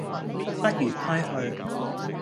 不如歸去